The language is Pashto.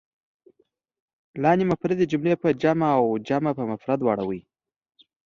لاندې مفردې کلمې په جمع او جمع په مفرد راوړئ.